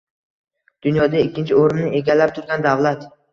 dunyoda ikkinchi o‘rinni egallab turgan davlat.